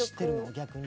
逆に。